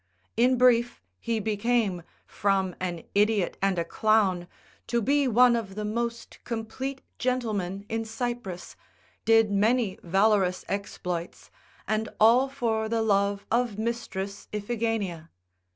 In brief, he became, from an idiot and a clown, to be one of the most complete gentlemen in Cyprus, did many valorous exploits, and all for the love of mistress Iphigenia.